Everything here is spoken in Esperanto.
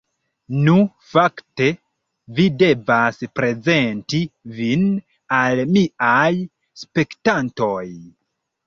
Nu, fakte, vi devas prezenti vin al miaj spektantoj